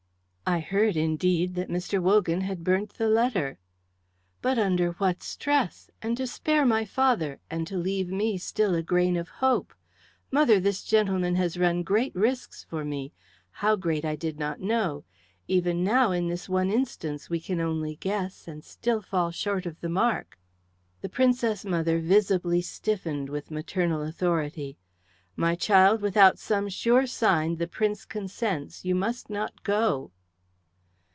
"I heard indeed that Mr. Wogan had burnt the letter." "But under what stress, and to spare my father and to leave me still a grain of hope. Mother, this gentleman has run great risks for me, how great I did not know; even now in this one instance we can only guess and still fall short of the mark." The Princess mother visibly stiffened with maternal authority. "My child, without some sure sign the Prince consents, you must not go."